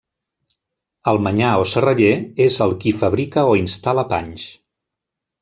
El manyà o serraller és el qui fabrica o instal·la panys.